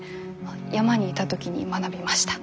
山にいた時に学びました。